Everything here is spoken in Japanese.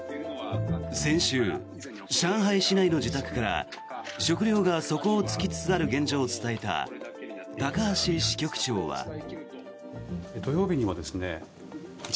先週、上海市内の自宅から食料が底を突きつつある現状を伝えた高橋支局長は。